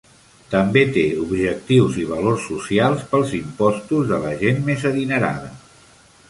També té objectius i valors socials pels impostos de la gent més adinerada.